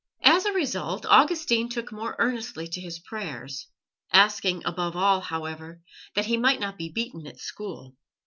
As a result Augustine took more earnestly to his prayers, asking, above all, however, that he might not be beaten at school.